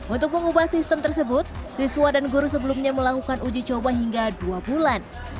untuk mengubah sistem tersebut siswa dan guru sebelumnya melakukan uji coba hingga dua bulan